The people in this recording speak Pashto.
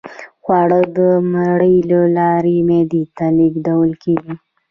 خواړه د مرۍ له لارې معدې ته لیږدول کیږي